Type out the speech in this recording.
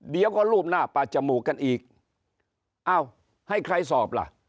เดี๋ยวก็รูปหน้าปาจมูกกันอีกอ้าวให้ใครสอบล่ะ